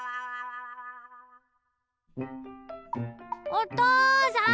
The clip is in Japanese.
おとうさん！